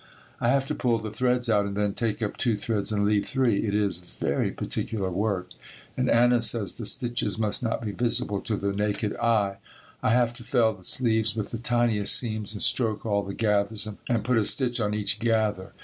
I have to pull the threads out and then take up two threads and leave three. It is very particular work and Anna says the stitches must not be visible to the naked eye. I have to fell the sleeves with the tiniest seams and stroke all the gathers and put a stitch on each gather.